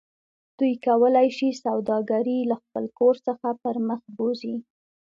دوی کولی شي سوداګرۍ له خپل کور څخه پرمخ بوځي